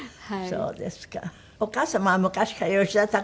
そうです。